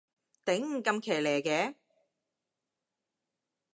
頂，咁騎呢嘅